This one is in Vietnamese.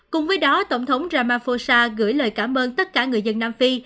cùng với đó tổng thống ramaphosa gửi lời cảm ơn tất cả người dân nam phi